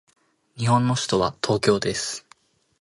日本の首都は東京です。